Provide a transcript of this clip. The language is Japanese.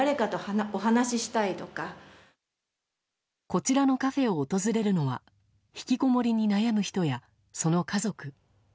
こちらのカフェを訪れるのはひきこもりに悩む人や、その家族。